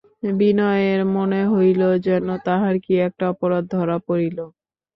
বিনয়ের মনে হইল যেন তাহার কী একটা অপরাধ ধরা পড়িল।